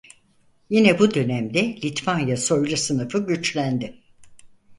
Yine bu dönemde Litvanya soylu sınıfı güçlendi.